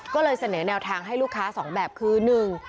ก็เลยเสนอแนวทางให้ลูกค้า๒แบบคือ